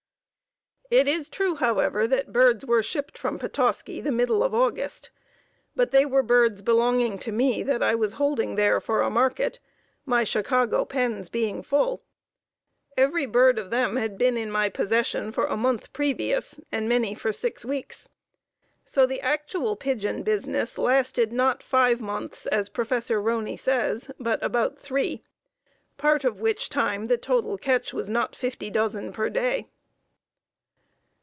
It is true, however, that birds were shipped from Petoskey the middle of August, but they were birds belonging to me that I was holding there for a market, my Chicago pens being full. Every bird of them had been in my possession for a month previous, and many for six weeks. So the actual pigeon business lasted not five months, as Prof. Roney says, but about three; part of which time the total catch was not fifty dozen per day.